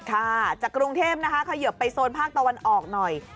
ค่ะจากกรุงเทพนะคะเขยิบไปโซนภาคตะวันออกหน่อย